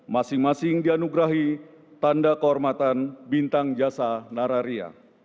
masing masing dianugerahi tanda kehormatan bintang jasa nararia